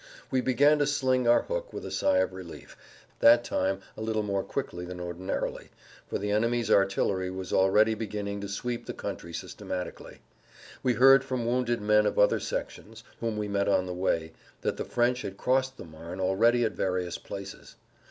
We began to sling our hook with a sigh of relief, that time a little more quickly than ordinarily, for the enemy's artillery was already beginning to sweep the country systematically. We heard from wounded men of other sections, whom we met on the way, that the French had crossed the Marne already at various places.